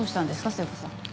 聖子さん。